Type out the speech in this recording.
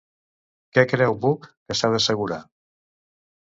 Què creu Buch que s'ha d'assegurar?